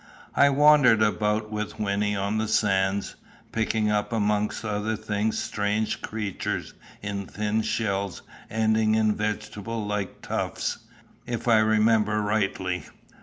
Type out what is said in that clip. I wandered about with Wynnie on the sands, picking up amongst other things strange creatures in thin shells ending in vegetable like tufts, if I remember rightly.